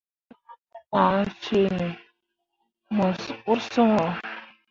Zahnen ah ceeni mo urseŋ wo.